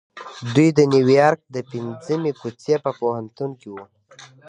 دوی د نيويارک د پنځمې کوڅې په پوهنتون کې وو.